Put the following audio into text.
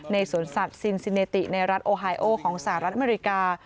สวนสัตว์ซินซิเนติในรัฐโอไฮโอของสหรัฐอเมริกา